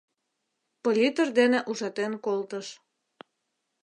Политр дене ужатен колтыш.